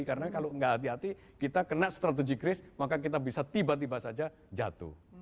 karena kalau gak hati hati kita kena strategi kris maka kita bisa tiba tiba saja jatuh